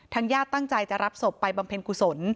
ญาติตั้งใจจะรับศพไปบำเพ็ญกุศล